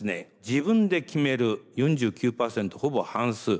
「自分で決める」４９％ほぼ半数。